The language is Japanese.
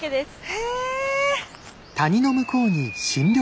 へえ！